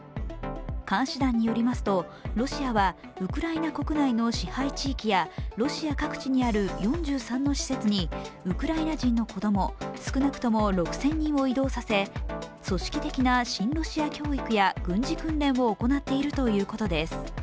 監視団によりますとロシアはウクライナ国内の支配地域やロシア各地にある４３の施設にウクライナ人の子供、少なくとも６０００人を移動させ組織的な親ロシア教育や軍事訓練を行っているということです。